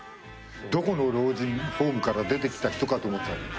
どこの老人ホームから出てきた人かと思った。